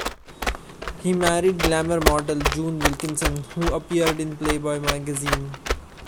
He married glamor model June Wilkinson, who appeared in Playboy Magazine.